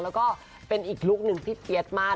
แล้วก็เป็นอีกลุคหนึ่งที่เปี๊ยดมาก